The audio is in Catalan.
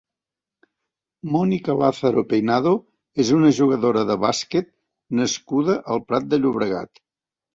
Mónica Lázaro Peinado és una jugadora de bàsquet nascuda al Prat de Llobregat.